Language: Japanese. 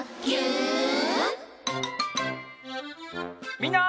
みんな。